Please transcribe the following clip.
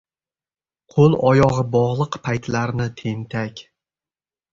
Qo‘l-oyog‘i bog‘liq paytlarni, tentak!